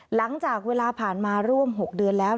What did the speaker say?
หลังจากเวลาผ่านมาร่วม๖เดือนแล้ว